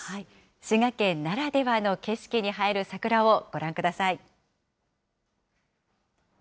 滋賀県ならではの景色に映える桜をご覧ください。